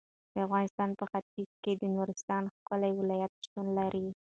د افغانستان په ختیځ کې د نورستان ښکلی ولایت شتون لري.